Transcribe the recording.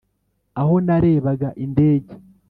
aho narebaga indege